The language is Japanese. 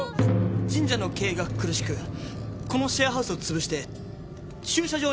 神社の経営が苦しくこのシェアハウスを潰して駐車場にしようという話が。